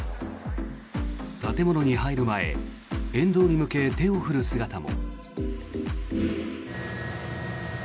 建物に入る前沿道に向け手を振る姿も。